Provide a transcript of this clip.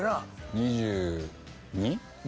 ２２？